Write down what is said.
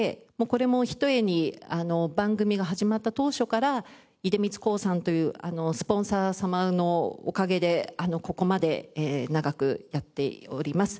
これもひとえに番組が始まった当初から出光興産というスポンサー様のおかげでここまで長くやっております。